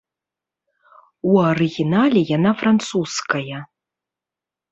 У арыгінале яна французская.